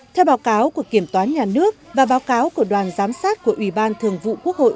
theo báo cáo của kiểm toán nhà nước và báo cáo của đoàn giám sát của ủy ban thường vụ quốc hội